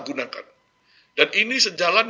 gunakan dan ini sejalan